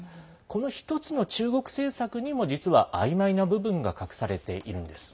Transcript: この、ひとつの中国政策にも実は、あいまいな部分が隠されているんです。